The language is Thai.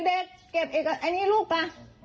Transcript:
เด็กเก็บอันนี้ลูกป่ะ